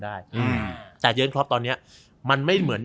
วงที่เขากำลังทำได้แต่เยียร์นคลอปตอนนี้มันไม่เหมือน